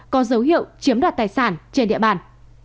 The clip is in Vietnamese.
có dấu hiệu chiếm đoạt tài sản trên địa bàn